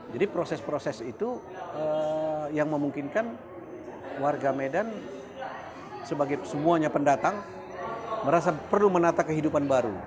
jadi proses proses itu yang memungkinkan warga medan sebagai semuanya pendatang merasa perlu menata kehidupan baru